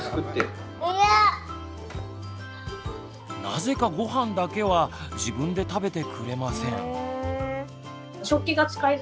なぜかごはんだけは自分で食べてくれません。